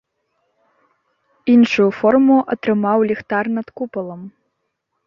Іншую форму атрымаў ліхтар над купалам.